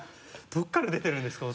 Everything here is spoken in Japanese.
どこから出てるんですか？